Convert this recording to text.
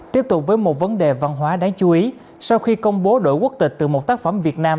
tiếp tục với một vấn đề văn hóa đáng chú ý sau khi công bố đội quốc tịch từ một tác phẩm việt nam